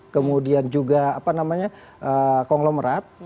kemudian juga konglomerat